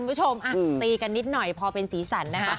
คุณผู้ชมตีกันนิดหน่อยพอเป็นสีสันนะคะ